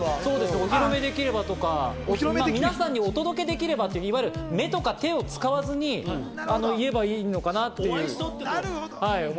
お披露目できればとか、皆さんにお届けできればとか、目とか手を使わずに言えばいいのかな。